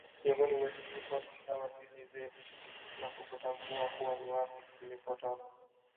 Miongoni mwetu tumekuwa tukisahau asili zetu na kutotambua kuwa ni wapi tulipotoka